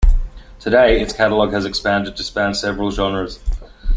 Today, its catalogue has expanded to span several genres.